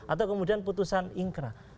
atau kemudian putusan inkra